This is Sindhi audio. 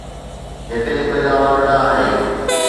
هتي پيداوار نه آهي؟